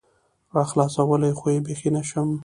راخلاصولى خو يې بيخي نشم